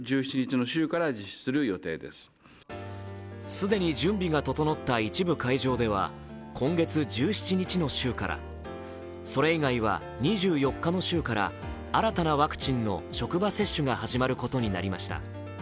既に準備が整った一部会場では今月１７日の週からそれ以外は２４日の週から新たなワクチンの職場接種が始まることになりました。